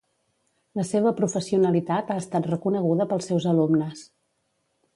La seva professionalitat ha estat reconeguda pels seus alumnes.